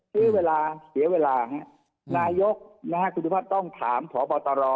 เชื่อเวลาเชื่อเวลาน่ะนายกณคุณธุวาษต้องถามพอปตร